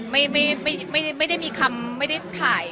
ไม่ไม่ไม่ได้มีคำไม่ได้ถ่าย